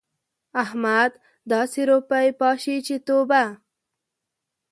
احمد داسې روپۍ پاشي چې توبه!